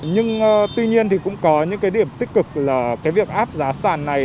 nhưng tuy nhiên thì cũng có những cái điểm tích cực là cái việc áp giá sàn này